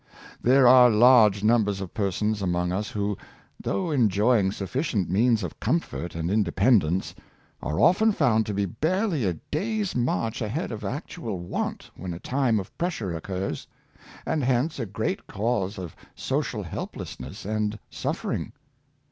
There are large numbers of persons among us who, though enjoy ing sufficient means of comfort and independence, are often found to be barely a day's march ahead of ac tual want when a time of pressure occurs; and hence a great cause of social helplessness and suffering.